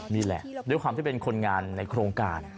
นี่แหละด้วยความที่เป็นคนงานในโครงการ